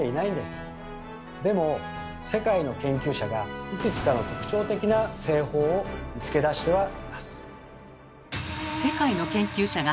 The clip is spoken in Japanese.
でも世界の研究者がいくつかの特徴的な製法を見つけ出してはいます。